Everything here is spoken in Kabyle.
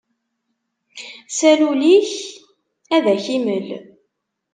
Sal ul-ik, ad ak-imel!